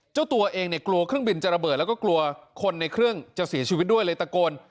เจ้าตัวเองเนี่ยกลัวเครื่องบินจะระเบิดแล้วก็กลัวคนในเครื่องจะเสียชีวิตด้วยเลยตะโกน